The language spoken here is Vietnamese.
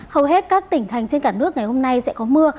hầu hết các tỉnh thành trên cả nước ngày hôm nay sẽ có mưa